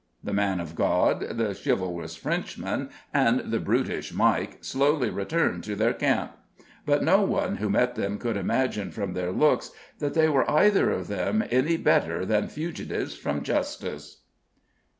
The man of God, the chivalrous Frenchman and the brutish Mike slowly returned to their camp; but no one who met them could imagine, from their looks, that they were either of them anything better than fugitives from justice.